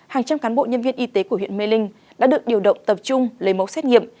hàng trăm cán bộ nhân viên y tế của huyện mê linh đã được điều động tập trung lấy mẫu xét nghiệm